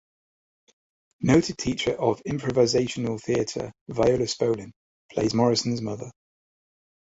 Noted teacher of improvisational theater Viola Spolin plays Morrison's mother.